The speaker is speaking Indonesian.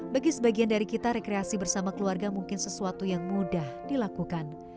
bagi sebagian dari kita rekreasi bersama keluarga mungkin sesuatu yang mudah dilakukan